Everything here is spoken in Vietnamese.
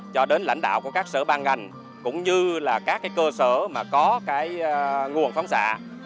cho đến lãnh đạo của các sở ban ngành cũng như là các cái cơ sở mà có cái nguồn phóng xạ